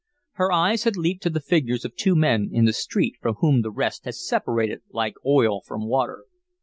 Her eyes had leaped to the figures of two men in the street from whom the rest had separated like oil from water.